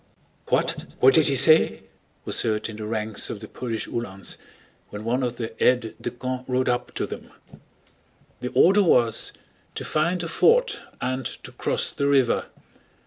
"What? What did he say?" was heard in the ranks of the Polish Uhlans when one of the aides de camp rode up to them. The order was to find a ford and to cross the river.